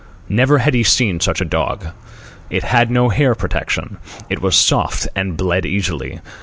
Never had he seen such a dog. It had no hair protection. It was soft, and bled easily.